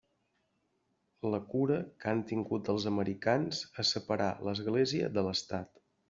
La cura que han tingut els americans a separar l'Església de l'Estat.